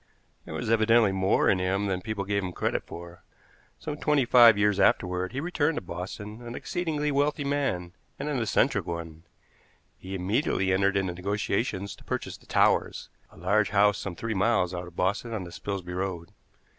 There was evidently more in him than people gave him credit for. Some twenty five years afterward he returned to Boston an exceedingly wealthy man, and an eccentric one. He immediately entered into negotiations to purchase the Towers, a large house some three miles out of Boston on the Spilsby Road.